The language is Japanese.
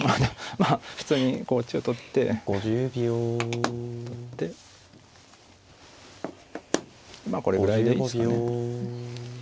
まあ普通にこっちを取って取ってまあこれぐらいでいいですかね。